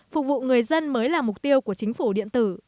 phục vụ người dân mới là mục tiêu của chính phủ điện tử